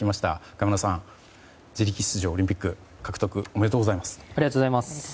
河村さん、自力出場オリンピック獲得おめでとうございます。